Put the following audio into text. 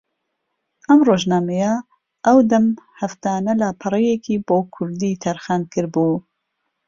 ئەم ڕۆژنامەیە ئەودەم ھەفتانە لاپەڕەیەکی بۆ کوردی تەرخان کردبوو